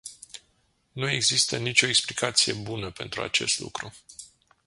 Nu există nicio explicație bună pentru acest lucru.